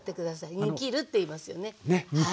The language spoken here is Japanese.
ねっ煮きるっていいますよね。